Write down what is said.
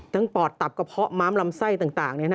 ปอดตับกระเพาะม้ามลำไส้ต่าง